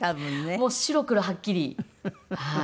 もう白黒はっきりはい。